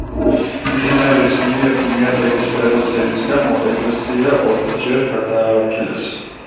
მდინარის მიერ ნიადაგის ეროზიის გამო ეკლესია ოთხჯერ გადააადგილეს.